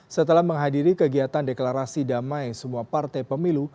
setelah menghadiri kegiatan deklarasi damai semua partai pemilu